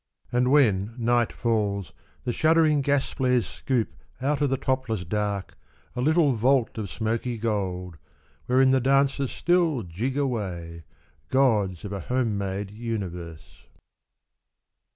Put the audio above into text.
And when night falls the shuddering gas flares scoop Out of the topless dark a little vault Of smoky gold, wherein the dancers still Jig away, gods of a home made universe.